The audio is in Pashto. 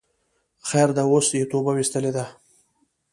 خیر ده اوس یی توبه ویستلی ده